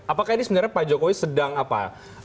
apakah ini sebenarnya pak jokowi sedang apa